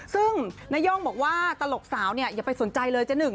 ซึ่งนาย่องบอกว่าตลกสาวเนี่ยอย่าไปสนใจเลยเจ๊หนึ่ง